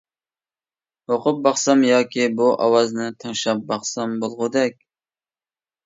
ئوقۇپ باقسام ياكى بۇ ئاۋازنى تىڭشاپ باقسام بولغۇدەك.